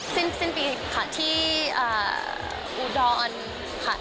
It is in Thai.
สิ้นปีค่ะที่อุดรค่ะ